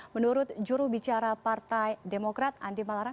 menurut jurubicara partai demokrat andi malarang